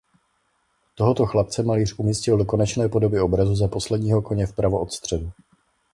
Tohoto chlapce malíř umístil do konečné podoby obrazu za posledního koně vpravo od středu.